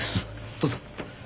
どうぞ。